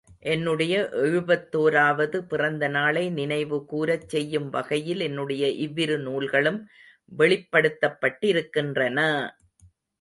என்னுடைய எழுபத்தோராவது பிறந்த நாளை நினைவுகூரச் செய்யும் வகையில், என்னுடைய இவ்விரு நூல்களும் வெளிப்படுத்தப்பட்டிருக்கின்றன!